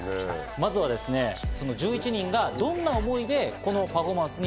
まずはその１１人がどんな思いでこのパフォーマンスに